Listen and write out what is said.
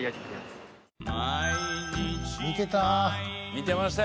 見てた！